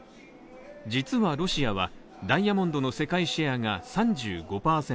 実はロシアはダイヤモンドの世界シェアが３５％。